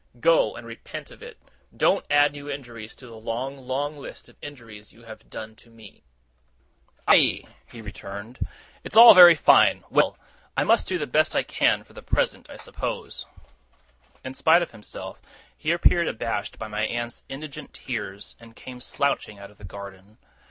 Go, and repent of it. Don't add new injuries to the long, long list of injuries you have done me!' 'Aye!' he returned. 'It's all very fine Well! I must do the best I can, for the present, I suppose.' In spite of himself, he appeared abashed by my aunt's indignant tears, and came slouching out of the garden.